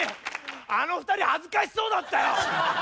あの２人恥ずかしそうだったよ！